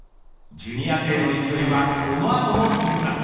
ジュニア勢の勢いはこの後も続きます。